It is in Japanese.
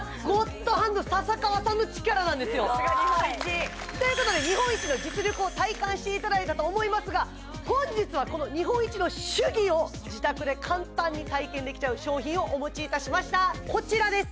さすが日本一ということで日本一の実力を体感していただいたと思いますが本日はこの日本一の手技を自宅で簡単に体験できちゃう商品をお持ちいたしましたこちらです